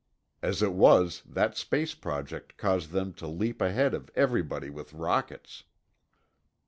As it was, that space project caused them to leap ahead of everybody with rockets."